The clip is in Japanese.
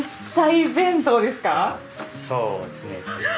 そうですね。